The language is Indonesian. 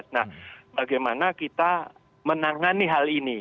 nah bagaimana kita menangani hal ini